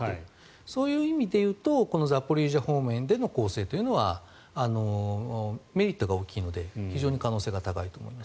そういう意味で言うとザポリージャ方面での攻勢というのはメリットが大きいので非常に可能性が高いと思います。